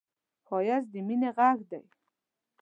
ښایست د مینې غږ دی